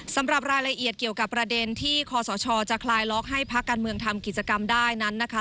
สำหรับรายละเอียดเกี่ยวกับประเด็นที่คอสชจะคลายล็อกให้พักการเมืองทำกิจกรรมได้นั้นนะคะ